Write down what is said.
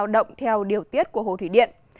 báo động theo điều tiết của hồ thủy điện